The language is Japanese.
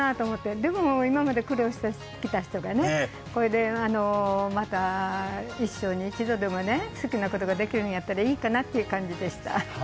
でも、今まで苦労していた人で、これでまた一生に一度でも好きなことができるんだったらいいかなという感じでした。